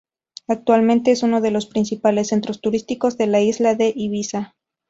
Actualmente es uno de los principales centros turísticos de la isla de Ibiza.